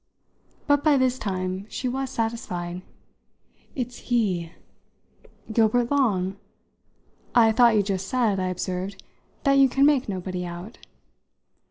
But by this time she was satisfied. "It's he!" "Gilbert Long? I thought you just said," I observed, "that you can make nobody out."